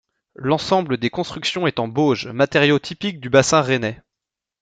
L'ensemble des constructions est en bauge, matériau typique du bassin rennais.